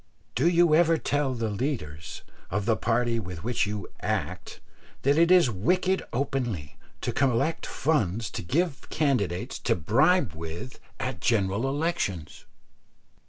Do you ever tell the leaders of the party with which you "act" that it is wicked openly to collect funds to give candidates to bribe with at general elections?